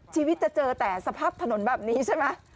ชีวิตจะเจอแต่สภาพถนนแบบนี้ใช่ไหม